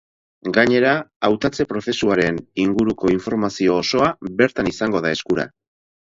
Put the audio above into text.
Gainera, hautatze-prozesuaren inguruko informazio osoa bertan izango da eskura.